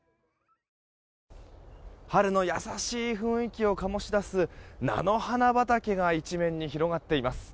春の優しい雰囲気を醸し出す菜の花畑が一面に広がっています。